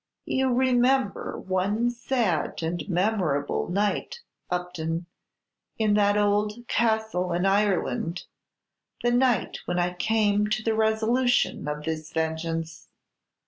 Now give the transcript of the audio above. "You remember one sad and memorable night, Upton, in that old castle in Ireland, the night when I came to the resolution of this vengeance!